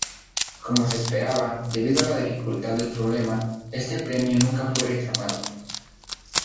Como se esperaba, debido a la dificultad del problema, este premio nunca fue reclamado.